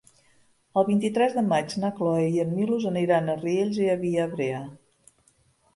El vint-i-tres de maig na Cloè i en Milos aniran a Riells i Viabrea.